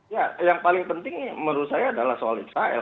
ya yang paling penting menurut saya adalah soal israel